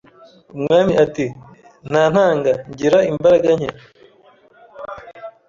umwami ati :”Ntantanga, ngira imbaraga nke